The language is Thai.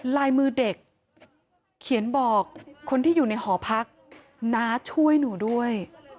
ลายมือเด็กเขียนบอกคนที่อยู่ในหอพักน้าช่วยหนูด้วย